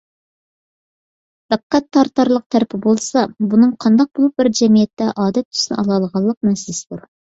دىققەت تارتارلىق تەرىپى بولسا، بۇنىڭ قانداق بولۇپ بىر جەمئىيەتتە ئادەت تۈسىنى ئالالىغانلىق مەسىلىسىدۇر.